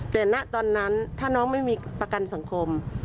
แต่ณตอนนั้นถ้าน้องไม่มีประกันสังคม